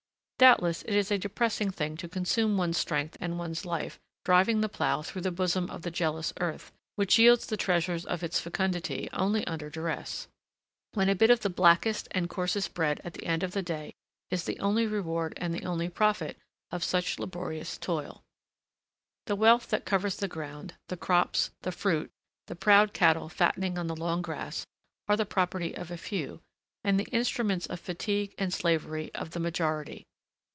Doubtless it is a depressing thing to consume one's strength and one's life driving the plough through the bosom of the jealous earth, which yields the treasures of its fecundity only under duress, when a bit of the blackest and coarsest bread at the end of the day is the only reward and the only profit of such laborious toil. The wealth that covers the ground, the crops, the fruit, the proud cattle fattening on the long grass, are the property of a few, and the instruments of fatigue and slavery of the majority.